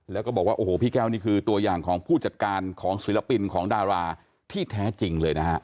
แล้วก็บอกว่าโอ้โหพี่แก้วนี่คือตัวอย่างของผู้จัดการของศิลปินของดาราที่แท้จริงเลยนะฮะ